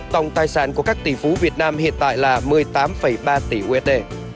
tổng tài sản của các tỷ phú việt nam hiện tại là một mươi tám ba tỷ usd